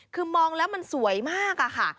คือมองแล้วมันสวยมากอะค่ะ